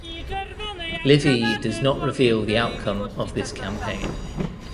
Livy does not reveal the outcome of this campaign.